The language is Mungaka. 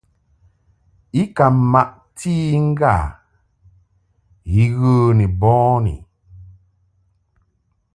I ka maʼti i ŋgâ I ghə ni bɔni.